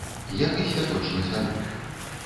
Як і святочны салют.